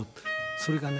それがね